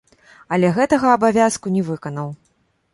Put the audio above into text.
Але гэтага абавязку не выканаў.